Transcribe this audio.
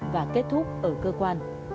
đã kết thúc ở cơ quan